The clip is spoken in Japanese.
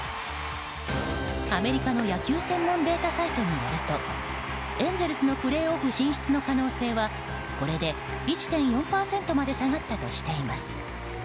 アメリカの野球専門データサイトによるとエンゼルスのプレーオフ進出の可能性はこれで１．４％まで下がったとしています。